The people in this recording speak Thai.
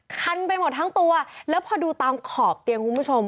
คันไปหมดทั้งตัวแล้วพอดูตามขอบเตียงคุณผู้ชม